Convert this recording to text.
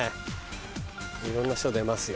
いろんな人出ますよ。